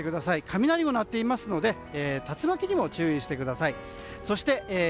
雷も鳴っていますので竜巻にも注意してください。